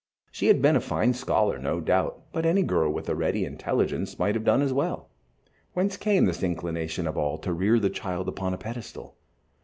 She had been a fine scholar, no doubt, but any girl with a ready intelligence might have done as well. Whence came this inclination of all to rear the child upon a pedestal?